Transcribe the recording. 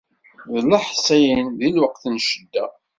D leḥṣin di lweqt n ccedda.